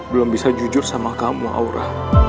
belum bisa jujur sama kamu aura